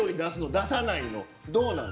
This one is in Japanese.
出さないの？